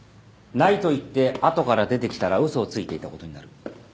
ないと言って後から出てきたら嘘をついていたことになる。